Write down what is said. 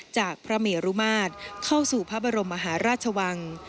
จากพระเมรุมาตรเข้าสู่พระบรมมหาราชวัง